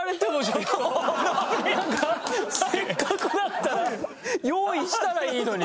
せっかくだったら用意したらいいのに。